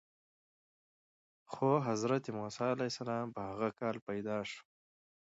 خو حضرت موسی علیه السلام په هغه کال پیدا شو.